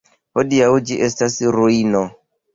Hodiaŭ ĝi estas ruino.